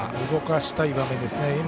動かしたい場面ですね。